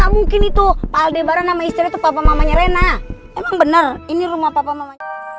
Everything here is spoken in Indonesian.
mungkin itu aldebaran nama istrinya papa mamanya rena bener ini rumah papa mama